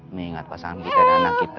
mengingat pasangan kita dan anak kita